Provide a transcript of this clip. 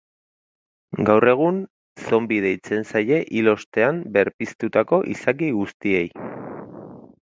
Gaur egun, zonbi deitzen zaie hil ostean berpiztutako izaki guztiei.